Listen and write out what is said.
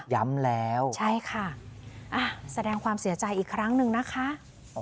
ย้ำแล้วใช่ค่ะแสดงความเสียใจอีกครั้งหนึ่งนะคะ